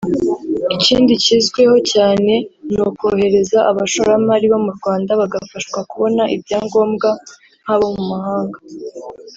Ikindi cyizweho cyane ni ukorohereza abashoramari bo mu Rwanda bagafashwa kubona ibyangombwa nk’abo mu mahanga